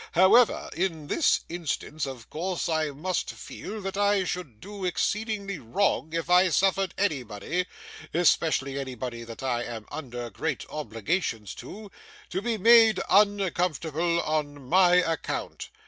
However, in this instance, of course, I must feel that I should do exceedingly wrong if I suffered anybody especially anybody that I am under great obligations to to be made uncomfortable on my account.